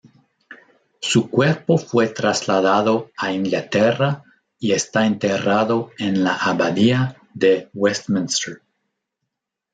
Su cuerpo fue trasladado a Inglaterra y está enterrado en la abadía de Westminster.